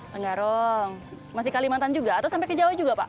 tenggarong masih kalimantan juga atau sampai ke jawa juga pak